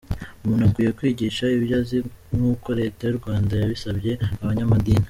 Umuntu akwiye kwigisha ibyo azi nkuko Leta y’ uRwanda yabisabye. abanyamadini.